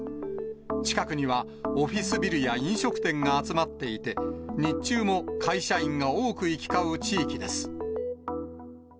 近くには、オフィスビルや飲食店が集まっていて、日中も会社員が多く行き交う地域です。